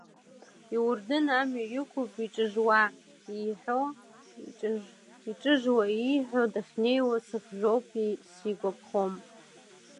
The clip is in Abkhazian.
Иуардын амҩа иқәуп иҿыжуа, ииҳәо дахьнеиуа сыхжәоуп, сигәаԥхом…